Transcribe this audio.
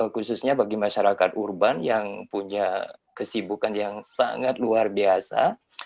khususnya bagi masyarakat urban yang punya kesibukan yang sangat luar biasa